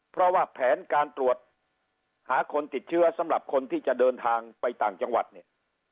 เพราะว่าแผนการตรวจหาคนติดเชื้อสำหรับคนที่จะเดินทางไปต่างจังหวัดเนี่ย